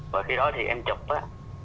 và khi đó thì em chụp á